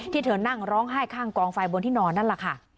เธอนั่งร้องไห้ข้างกองไฟบนที่นอนนั่นแหละค่ะ